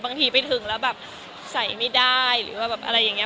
บางทีไปถึงแล้วแบบใส่ไม่ได้หรือว่าแบบอะไรอย่างนี้